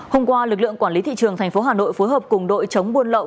hôm qua lực lượng quản lý thị trường tp hà nội phối hợp cùng đội chống buôn lậu